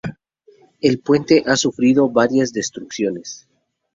El puente ha sufrido varias destrucciones.